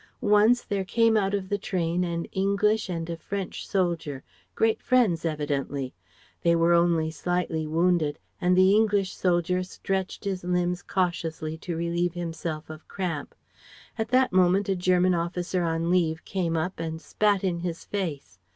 Once there came out of the train an English and a French soldier, great friends evidently. They were only slightly wounded and the English soldier stretched his limbs cautiously to relieve himself of cramp. At that moment a German soldier on leave came up and spat in his face.